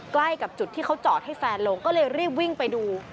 ใกล้กับจุดที่เขาจอดให้แฟนลงก็เลยรีบวิ่งไปดู